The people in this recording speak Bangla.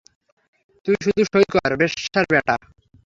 তুই শুধু সঁই কর, বেশ্যার ব্যাটা।